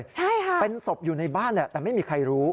ใช่ค่ะเป็นศพอยู่ในบ้านแหละแต่ไม่มีใครรู้